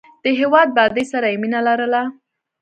د هېواد بادۍ سره یې مینه لرله.